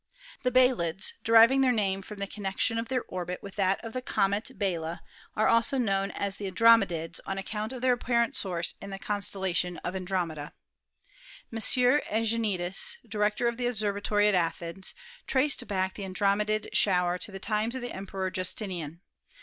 The Bielids, deriving their name from the connection of their orbit with that of the comet Biela, are also known as Andromedids on account of their apparent source in the constellation of Andromeda. M. Egenitis, Director of the Observatory at Athens, traced back the Androm edid shower to the times of the Emperor Justinian.